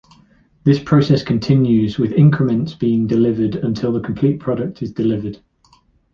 This process continues, with increments being delivered until the complete product is delivered.